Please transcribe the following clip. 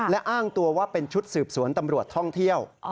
และอ้างตัวว่าเป็นชุดสืบสวนตำรวจท่องเที่ยว